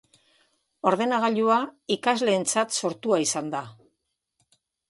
Ordenagailua ikasleentzat sortua izan da.